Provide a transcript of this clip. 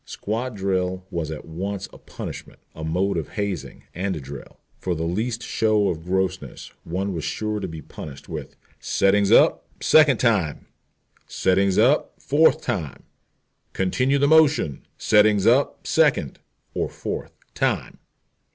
Squad drill was at once a punishment, a mode of hazing, and a drill. For the least show of grossness one was sure to be punished with "settings up, second time!" "settings up, fourth time! "Continue the motion, settings up second (or fourth) time!"